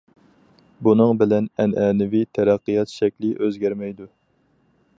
بۇنىڭ بىلەن، ئەنئەنىۋى تەرەققىيات شەكلى ئۆزگەرمەيدۇ.